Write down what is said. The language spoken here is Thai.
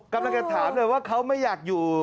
กำลังจะถามเลยว่าเขาไม่อยากอยู่